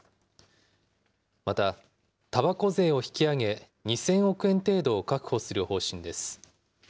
また、たばこ税を引き上げ、２０００億円程度を確保する方針です。